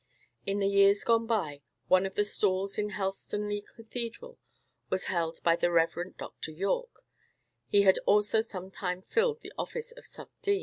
In the years gone by, one of the stalls in Helstonleigh Cathedral was held by the Reverend Dr. Yorke: he had also some time filled the office of sub dean.